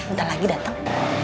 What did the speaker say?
ntar lagi dateng